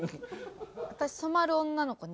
私染まる女の子苦手。